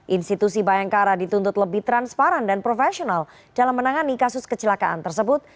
institusi bayangkara dituntut lebih transparan dan profesional dalam menangani kasus kecelakaan tersebut